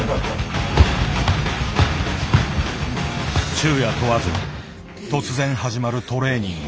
昼夜問わず突然始まるトレーニング。